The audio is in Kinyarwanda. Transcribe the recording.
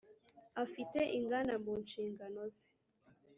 afite inganda mu nshingano ze